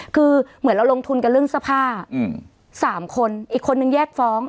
คือเหมือนเราลงทุนกันเรื่องเสื้อผ้า๓คนอีกคนนึงแยกฟ้อง